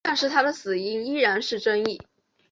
但是他的死因依然是争议。